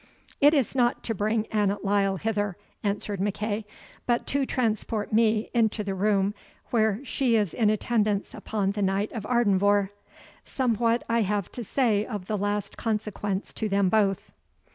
"It is not to bring Annot Lyle hither," answered MacEagh, "but to transport me into the room where she is in attendance upon the Knight of Ardenvohr. Somewhat I have to say of the last consequence to them both."